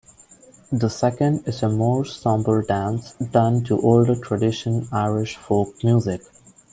The second is a more sombre dance done to older tradition Irish Folk music.